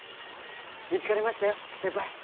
見つかりましたよ先輩！